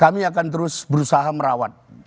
kami akan terus berusaha merawat